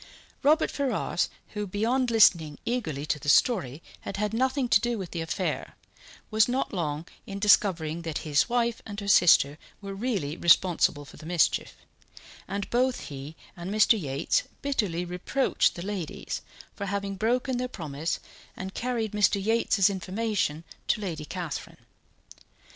Robert Ferrars, who, beyond listening eagerly to the story, had had nothing to do with the affair, was not long in discovering that his wife and her sister were really responsible for the mischief; and both he and Mr. Yates bitterly reproached the ladies for having broken their promise and carried Mr. Yates's information to Lady Catherine.